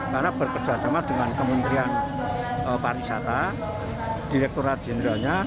karena bekerjasama dengan kementerian pariwisata direkturat jeneralnya